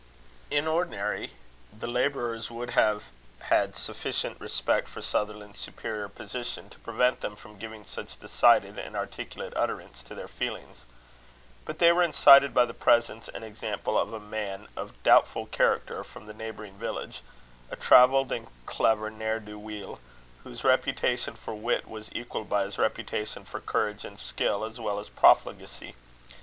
In ordinary, the labourers would have had sufficient respect for Sutherland's superior position, to prevent them from giving such decided and articulate utterance to their feelings. But they were incited by the presence and example of a man of doubtful character from the neighbouring village, a travelled and clever ne'er do weel, whose reputation for wit was equalled by his reputation for courage and skill, as well as profligacy.